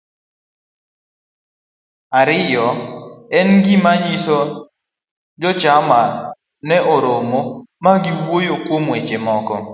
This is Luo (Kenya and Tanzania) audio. ariyo. En gima nyiso ni jochama ne oromo, ma giwuoyo kuom weche moko,